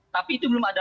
tapi itu belum ada